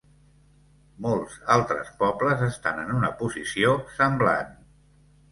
Molts altres pobles estan en una posició semblant.